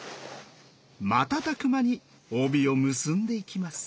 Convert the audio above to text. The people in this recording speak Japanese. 瞬く間に帯を結んでいきます。